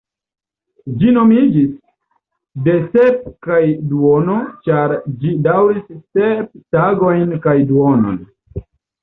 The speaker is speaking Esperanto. Ĝi nomiĝis "de sep kaj duono", ĉar ĝi daŭris sep tagojn kaj duonon.